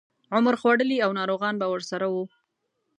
عمر خوړلي او ناروغان به ورسره وو.